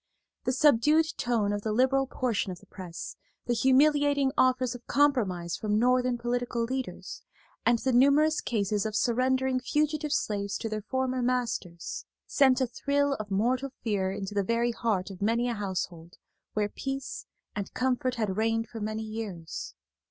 The subdued tone of the liberal portion of the press, the humiliating offers of compromise from Northern political leaders, and the numerous cases of surrendering fugitive slaves to their former masters, sent a thrill of mortal fear into the very heart of many a household where peace and comfort had reigned for many years.